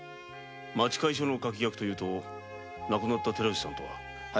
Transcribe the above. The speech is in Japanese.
町会所の書き役というと亡くなった寺内さんとは。